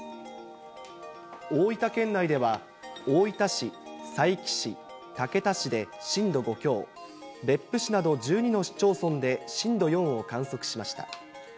大分県内では、大分市、佐伯市、竹田市で震度５強、別府市など１２の市町村で震度４を観測しました。